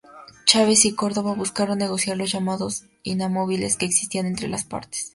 Chávez y Córdoba buscaron negociar los llamados "inamovibles" que existían entre las partes.